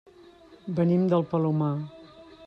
Venim del Palomar.